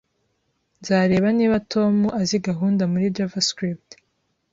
Nzareba niba Tom azi gahunda muri JavaScript